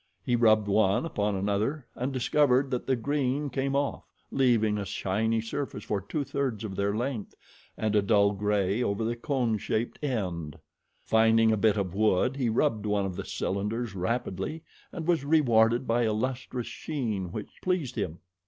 He rubbed one upon another and discovered that the green came off, leaving a shiny surface for two thirds of their length and a dull gray over the cone shaped end. Finding a bit of wood he rubbed one of the cylinders rapidly and was rewarded by a lustrous sheen which pleased him.